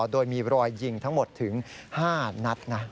โดยมีรอยยิงทั้งหมดถึง๕นัดนะ